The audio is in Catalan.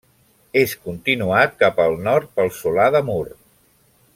És continuat cap al nord pel Solà de Mur.